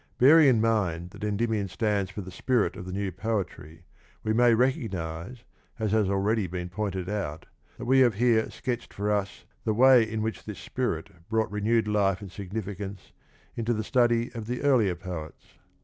Bearing in mind that Endymion stands for the spirit of the new poetry, we may recognise, as has already been pointed out, that we have here sketched for us the way in which this spirit brought renewed life and significance into the study of the earlier poets.